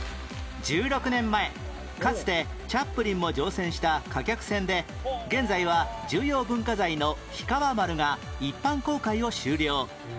１６年前かつてチャップリンも乗船した貨客船で現在は重要文化財の氷川丸が一般公開を終了